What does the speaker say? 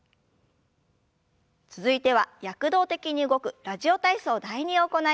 続いては躍動的に動く「ラジオ体操第２」を行います。